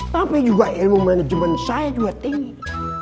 tapi juga ilmu manajemen saya juga tinggi